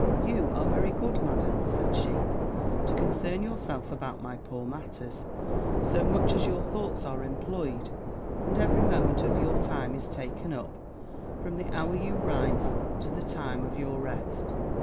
"You are very good, Madam," said she, "to concern yourself about my poor matters, so much as your thoughts are employed, and every moment of your time is taken up, from the hour you rise, to the time of your rest.